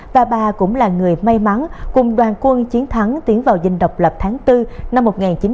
và bà cũng là người may mắn cùng đoàn quân chiến thắng tiến vào dình độc lập tháng bốn năm một nghìn chín trăm bốn mươi năm